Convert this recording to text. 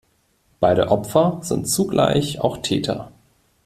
Beide Opfer sind zugleich auch Täter.